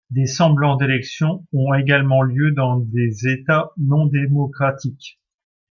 Des semblants d'élections ont également lieu dans des États non-démocratiques.